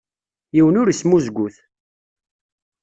Yiwen ur ismuzgut.